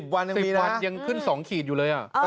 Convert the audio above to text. ๑๐วันยังมีนะ๑๐วันยังขึ้น๒ขีดอยู่เลยอ่ะ